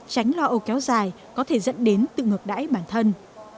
tránh lo âu kéo dài có thể dẫn đến tự ngược đãi bản thân